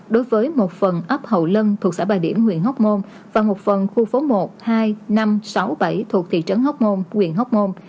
đối với một phần ấp hậu lân thuộc xã bà điểm huyện hóc môn và một phần khu phố một hai năm trăm sáu mươi bảy thuộc thị trấn hóc môn huyện hóc môn